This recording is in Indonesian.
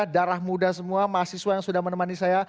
darah muda semua mahasiswa yang sudah menemani saya